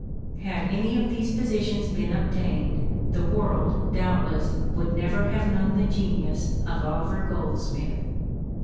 Had any of these positions been obtained, the world, doubtless, would never have known the genius of Oliver Goldsmith.